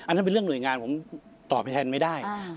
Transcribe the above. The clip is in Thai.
นั่นเป็นเรื่องหน่วยงานผมตอบแทนไม่ได้